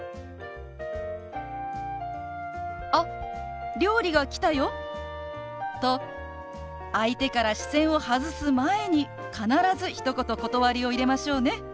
「あ料理が来たよ」と相手から視線を外す前に必ずひと言断りを入れましょうね。